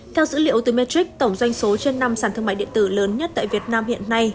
theo dữ liệu từ matrix tổng doanh số trên năm sản thương mại điện tử lớn nhất tại việt nam hiện nay